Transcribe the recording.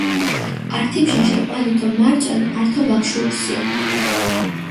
ართი ბჟაშე ჸვალი დო მარწვენი ართო ვაგშუურსია